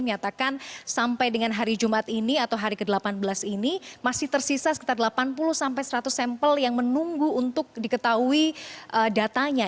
menyatakan sampai dengan hari jumat ini atau hari ke delapan belas ini masih tersisa sekitar delapan puluh sampai seratus sampel yang menunggu untuk diketahui datanya